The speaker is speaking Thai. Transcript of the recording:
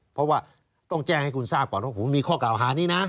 เพราะว่าต้องแจ้งให้คุณทราบก่อนว่าผมมีข้อกล่าวหานี้นะ